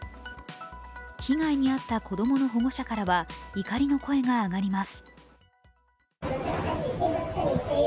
被害に遭った子供の保護者からは怒りの声が上がります。